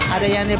ada yang dibawa